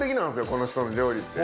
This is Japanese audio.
この人の料理って。